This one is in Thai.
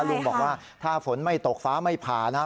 ลุงบอกว่าถ้าฝนไม่ตกฟ้าไม่ผ่านะ